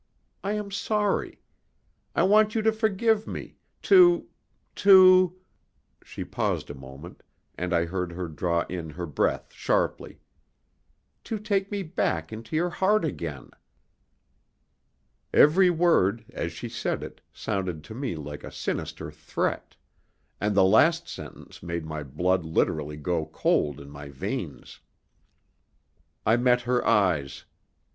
I am sorry. I want you to forgive me, to to" she paused a moment, and I heard her draw in her breath sharply "to take me back into your heart again." Every word, as she said it, sounded to me like a sinister threat, and the last sentence made my blood literally go cold in my veins. I met her eyes.